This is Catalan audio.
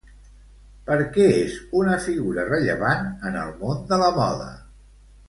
Per què és una figura rellevant en el món de la moda?